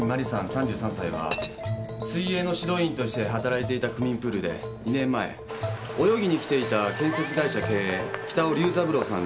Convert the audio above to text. ３３歳は水泳の指導員として働いていた区民プールで２年前泳ぎに来ていた建設会社経営北尾龍三郎さん６４歳と知り合った」